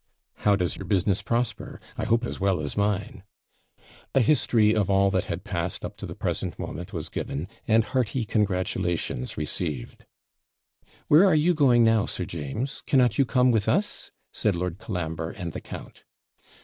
'How does your business prosper! I hope as well as mine.' A history of all that had passed up to the present moment was given, and hearty congratulations received. 'Where are you going now, Sir James? cannot you come with us?' said Lord Colambre and the count.